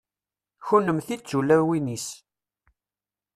kunemti d tulawin-is